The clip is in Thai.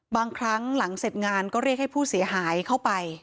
บางครั้งหลังเสร็จงานก็เรียกให้ผู้เสียหายเข้าไป